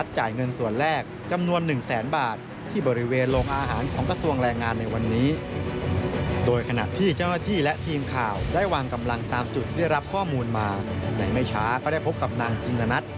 แต่ไม่ช้าก็ได้พบกับนางจินตนัด